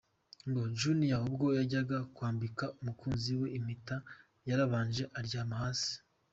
Ngo Junior ubwo yajyaga kwambika umukunzi we impeta yarabanje aryama hasi.